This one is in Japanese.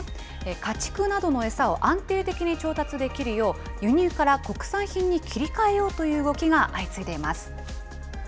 家畜などの餌を安定的に調達できるよう、輸入から国産品に切り替えようという動きが相次いでいます。